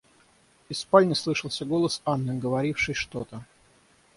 Из спальни слышался голос Анны, говорившей что-то.